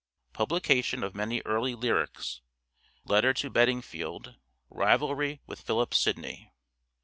Publication of many early lyrics. Letter to Bedingfield. Rivalry with Philip Sidney.